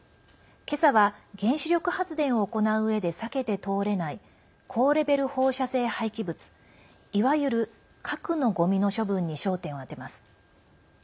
今朝は原子力発電を行ううえで避けて通れない高レベル放射性廃棄物いわゆる核のごみの処分に焦点を当てます。